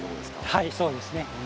はいそうですね。